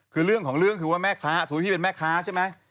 คือเรื่องของเรื่องคือว่าแม่ค้าสมมุติพี่เป็นแม่ค้าใช่ไหม